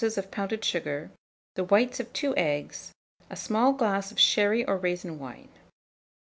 of pounded sugar, the whites of 2 eggs, a small glass of sherry or raisin wine.